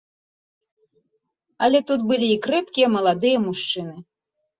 Але тут былі і крэпкія маладыя мужчыны.